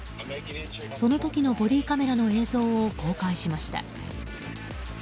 その時のボディーカメラの映像を公開しました。